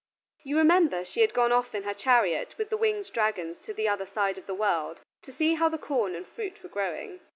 You remember she had gone off in her chariot with the winged dragons to the other side of the world to see how the corn and fruit were growing.